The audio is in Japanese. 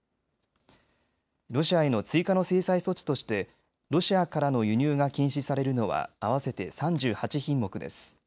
ロシアへの追加の制裁措置としてロシアからの輸入が禁止されるのは合わせて３８品目です。